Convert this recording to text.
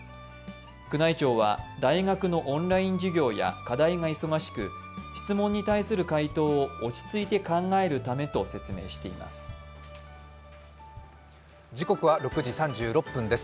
宮内庁は大学のオンライン授業や課題が忙しく、質問に対する回答を落ち着いて考えるためと説明しています。